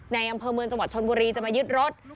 ในอำเภอเมืองจังหวัดชนบุรีจะมายึดรถ